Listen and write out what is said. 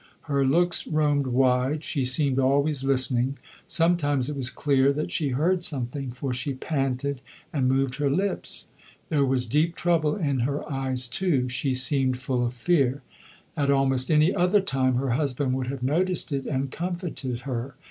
Her looks roamed wide; she seemed always listening; sometimes it was clear that she heard something for she panted and moved her lips. There was deep trouble in her eyes too; she seemed full of fear. At almost any other time her husband would have noticed it and comforted her.